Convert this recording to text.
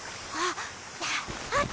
あっ！